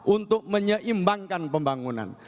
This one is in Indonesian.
untuk menyeimbangkan pembangunan